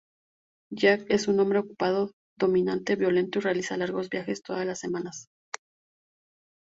Jack es un hombre ocupado, dominante, violento y realiza largos viajes todas las semanas.